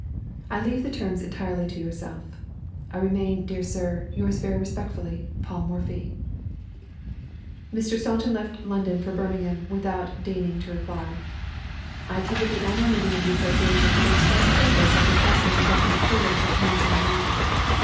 I leave the terms entirely to yourself. I remain, dear sir, yours very respectfully, "PAUL MORPHY." Mr. Staunton left London for Birmingham without deigning to reply. I attended the annual meeting of the Association for the express purpose of requesting a definite period for commencing the match.